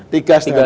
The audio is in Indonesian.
tiga setengah bulan